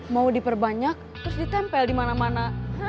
mau diperbanyak terus ditempel dimana mana